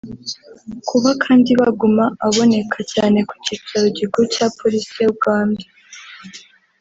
Kuba kandi Baguma aboneka cyane ku kicaro gikuru cya Polisi ya Uganda